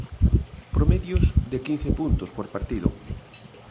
Promedios de quince puntos por partido.